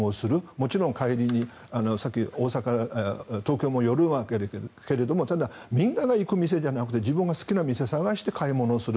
もちろん帰りに東京も寄るけどもみんなが行く店じゃなくて自分が好きな店を探して買い物する。